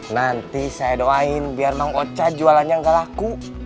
nanti saya doain biar mang ocat jualannya gak laku